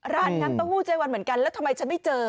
ร้านน้ำเต้าหู้เจ๊วันเหมือนกันแล้วทำไมฉันไม่เจอ